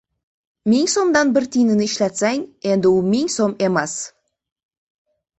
• Ming so‘mdan bir tiyinini ishlatsang, endi u ming so‘m emas.